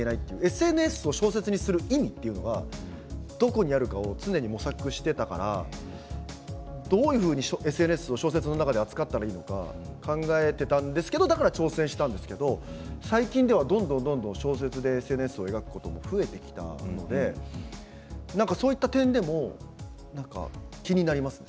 ＳＮＳを小説にする意味というのはどこにあるかを常に模索していたからどういうふうにＳＮＳを小説の中で扱ったらいいのか考えていたんですけどだから挑戦したんですけど最近ではどんどんどんどん小説でＳＮＳを描くことも増えてきたのでそういった点でも気になりますね。